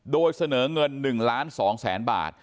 โดยเสนอเงิน๑ล้าน๒แสนบาท